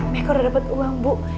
meka udah dapet uang bu